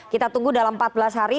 kita tunggu dalam empat belas hari